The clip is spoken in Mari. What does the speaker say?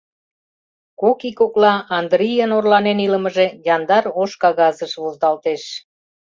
Кок ий кокла Андрийын орланен илымыже яндар ош кагазеш возалтеш...